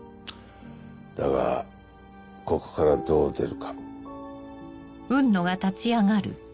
だがここからどう出るか。